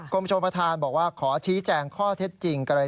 ชมประธานบอกว่าขอชี้แจงข้อเท็จจริงกรณี